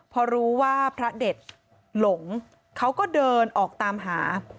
พอรู้ว่าพระเด็ดหลงเขาก็เดินออกตามหา